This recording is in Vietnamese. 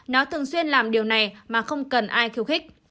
nó thường xuyên làm điều này mà không cần ai khiêu khích